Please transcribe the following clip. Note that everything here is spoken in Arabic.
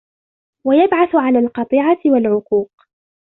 وَيَبْعَثُ عَلَى الْقَطِيعَةِ وَالْعُقُوقِ